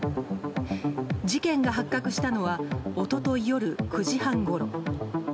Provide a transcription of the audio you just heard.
事件が発覚したのは一昨日夜９時半ごろ。